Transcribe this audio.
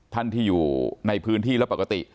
ท่านที่อยู่ในพื้นที่และปกติ